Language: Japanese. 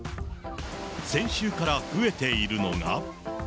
先週から増えているのが。